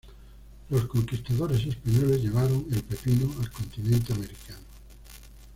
Los conquistadores españoles llevaron el pepino al continente americano.